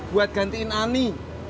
buat gantiin ani